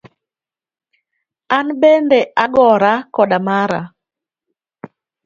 An bende agora koda mara.